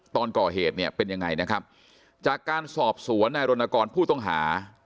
ตอนก่อเหตุเนี่ยเป็นยังไงนะครับจากการสอบสวนนายรณกรผู้ต้องหา